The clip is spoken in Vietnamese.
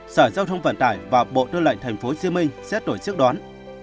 sở giao thông vận tải và bộ tư lệnh tp hcm xét tổ chức đón